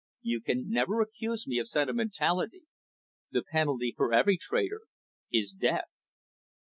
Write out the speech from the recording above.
"You can never accuse me of sentimentality. The penalty for every traitor is death."